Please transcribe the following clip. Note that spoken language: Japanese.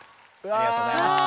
ありがとうございます。